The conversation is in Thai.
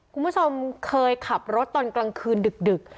คุณผู้ชมเคยขับรถตอนกลางคืนดึก